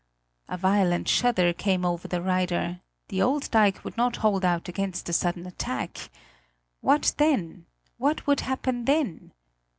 A violent shudder came over the rider the old dike would not hold out against the sudden attack. What then what would happen then?